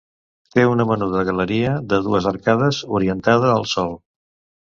Té una menuda galeria de dues arcades, orientada al sol.